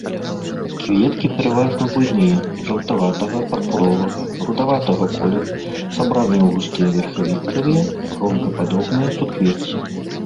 Кветкі пераважна буйныя, жаўтаватага, пурпуровага, рудаватага колеру, сабраныя ў густыя верхавінкавыя гронкападобныя суквецці.